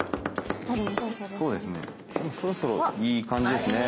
もうそろそろいい感じですね。